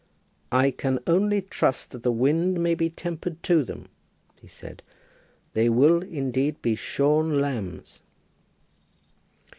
"I can only trust that the wind may be tempered to them," he said. "They will, indeed, be shorn lambs."